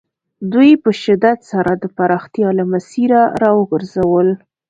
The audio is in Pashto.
دوی په شدت سره د پراختیا له مسیره را وګرځول.